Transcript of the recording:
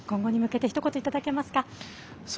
今後に向けてひと言いただけますか。